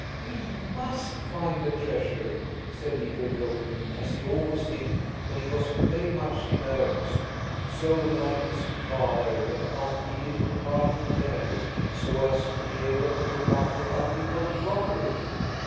"We must find the treasure," said Edred, looking as he always did when he was very much in earnest, so like his father that Aunt Edith could hardly bear it–"so as to be able to look after our people properly."